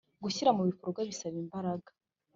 Gushyira mu bikorwa bisaba imbaraga.